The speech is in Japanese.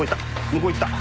向こう行った。